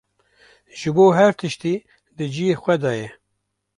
ji bo her tiştî di cihê xwe de ye.